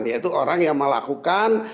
yaitu orang yang melakukan